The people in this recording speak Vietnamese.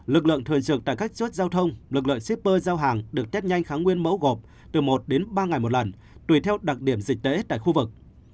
lực lượng thường trực tại các chốt giao thông lực lượng shipper giao hàng được test nhanh kháng nguyên mẫu gộp từ một đến ba ngày một lần tùy theo đặc điểm dịch tễ tại khu vực